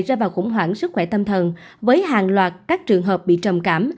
ra vào khủng hoảng sức khỏe tâm thần với hàng loạt các trường hợp bị trầm cảm